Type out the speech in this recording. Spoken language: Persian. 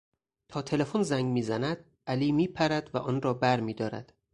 تا تلفن زنگ میزند علی میپرد و آن را بر میدارد.